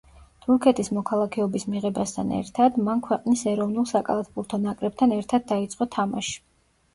თურქეთის მოქალაქეობის მიღებასთან ერთად, მან ქვეყნის ეროვნულ საკალათბურთო ნაკრებთან ერთად დაიწყო თამაში.